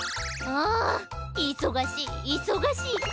あいそがしいいそがしい。